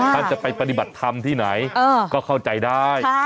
ท่านจะไปปฏิบัติธรรมที่ไหนก็เข้าใจได้